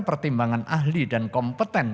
pertimbangan ahli dan kompeten